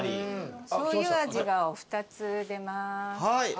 しょうゆ味がお二つ出ます。